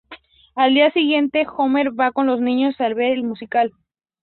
Al día siguiente, Homer va con los niños a ver el musical.